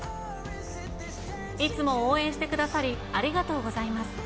いつも応援してくださりありがとうございます。